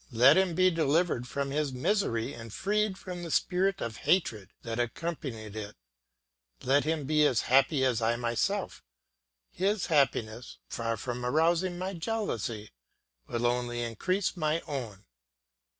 Let him be delivered from his misery and freed from the spirit of hatred that accompanied it; let him be as happy as I myself; his happiness, far from arousing my jealousy, will only increase my own.